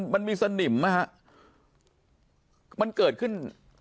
มันมีสนิมนะฮะมันเกิดขึ้น